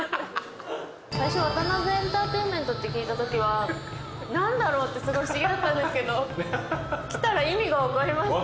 最初ワタナベエンターテインメントって聞いた時はなんだろうってすごい不思議だったんですけど来たら意味がわかりました。